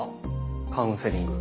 カウンセリング。